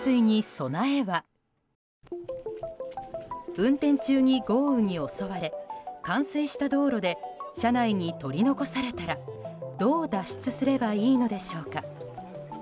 運転中に豪雨に襲われ冠水した道路で車内に取り残されたらどう脱出すればいいのでしょうか。